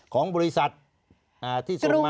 ของบริษัทที่ส่งมา